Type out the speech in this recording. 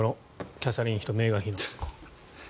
キャサリン妃とメーガン妃の。